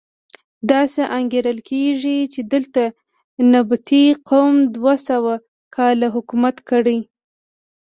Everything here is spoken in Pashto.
داسې انګېرل کېږي چې دلته نبطي قوم دوه سوه کاله حکومت کړی.